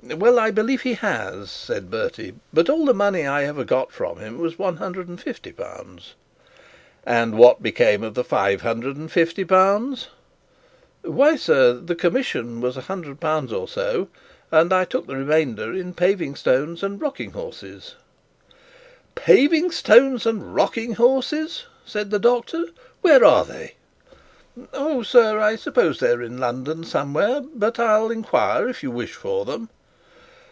'Well, I believe he has,' said Bertie; 'but all the money I ever got from him was L 150.' 'And what became of the L 550?' 'Why, sir; the commission was L 100, or so, and I took the remainder in paving stones and rocking horses.' 'Paving stones and rocking horses!' said the doctor, 'where are they?' 'Oh, sir, I suppose they are in London somewhere but I'll inquire if you wish for them.'